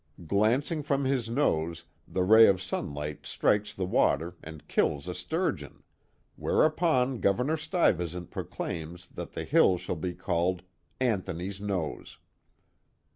Glancing from his nose, the ray of sunliglit strikes the water and kills a stuf. geon. Whereupon Governor Stuyvesant proclaims that the hill shall be called " Anthony's Nose."